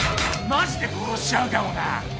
マジで殺しちゃうかもな。